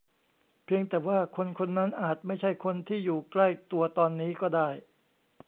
เพียงแต่ว่าคนคนนั้นอาจไม่ใช่คนที่อยู่ใกล้ตัวตอนนี้ก็ได้